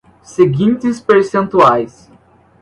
seguintes percentuais